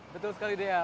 betul sekali dea